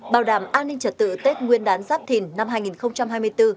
bảo đảm an ninh trật tự kết nguyên đán giáp thỉnh năm hai nghìn hai mươi bốn